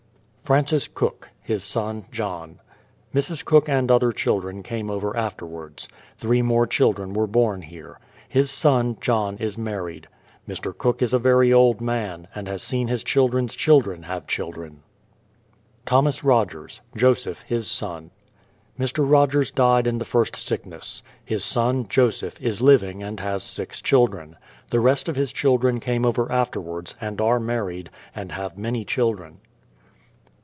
FRANCIS COOK; his son, John. Mrs. Cook and other children came over afterwards. Three more children were born here. His son, John, is married. Mr. Cook is a very old man, and has seen his children's children have children. THOMAS ROGERS; Joseph, his son. Mr. Rogers died in the first sickness. His son, Joseph, is living and has six children. The rest of his children came over afterwards, and are married, and have many children.